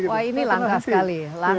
wah ini langka sekali